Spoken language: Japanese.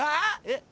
えっ。